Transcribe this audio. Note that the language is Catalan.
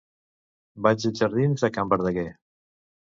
Vaig als jardins de Can Verdaguer.